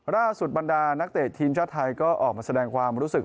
บรรดานักเตะทีมชาติไทยก็ออกมาแสดงความรู้สึก